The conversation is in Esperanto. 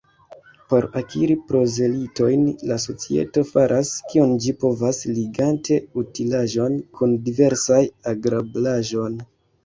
Por akiri prozelitojn, la societo faras, kion ĝi povas, ligante utilaĵon kun diversaj agrablaĵoj.